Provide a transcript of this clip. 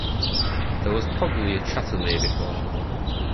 There was probably a Chatelier before.